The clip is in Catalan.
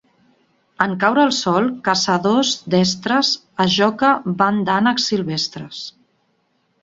En caure el sol, caçadors destres, a joca van d'ànecs silvestres.